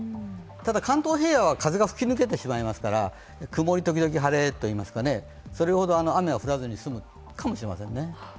ただ関東平野は風が吹き抜けてしまいますから曇り時々晴れ、それほど雨は降らずに済むかもしれませんね。